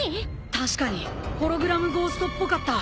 確かにホログラムゴーストっぽかった。